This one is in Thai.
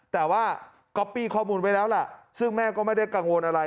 แต่ว่าก๊อปปี้ข้อมูลไว้แล้วล่ะซึ่งแม่ก็ไม่ได้กังวลอะไร